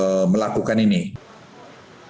kami hitung sampai kapan kira kira kami mencapai